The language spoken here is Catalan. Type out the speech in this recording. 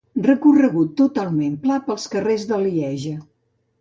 Recorregut totalment pla pels carrers de Lieja.